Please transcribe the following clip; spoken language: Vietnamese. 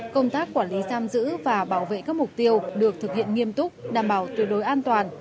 công tác quản lý giam giữ và bảo vệ các mục tiêu được thực hiện nghiêm túc đảm bảo tuyệt đối an toàn